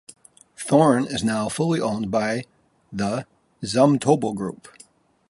Thorn is now fully owned by the Zumtobel Group.